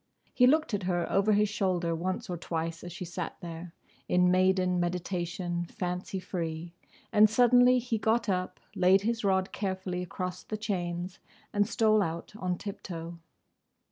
He looked at her over his shoulder once or twice as she sat there, "In maiden meditation, fancy free," and suddenly he got up, laid his rod carefully across the chains, and stole out on tip toe.